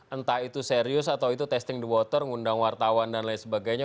entah itu serius atau itu testing the water ngundang wartawan dan lain sebagainya